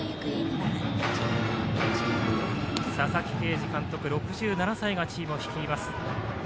佐々木啓司監督、６７歳がチームを率います。